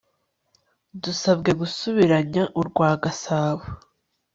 dusabwe gusubiranya urwagasabo